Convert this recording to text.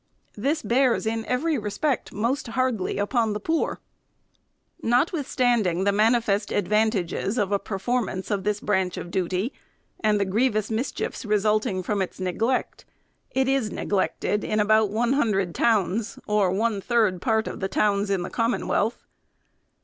This bears, in every respect, most hardly upon the poor. Notwithstanding the manifest advantages of a perform ance of this branch of duty, and the grievous mischiefs resulting from its neglect, it is neglected in about one hundred torvns, or one third part of the towns in the Commonwealth.